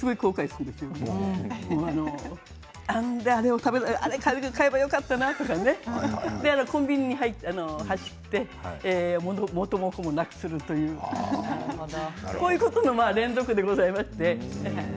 なんで、あれ買えばよかったなとかコンビニに走って元も子もなくするというこういうことの連続でございます。